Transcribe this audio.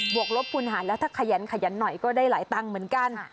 วกลบคุณหารแล้วถ้าขยันขยันหน่อยก็ได้หลายตังค์เหมือนกัน